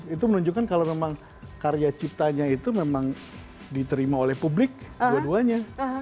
itu menunjukkan kalau memang karya ciptanya itu memang diterima oleh publik dua duanya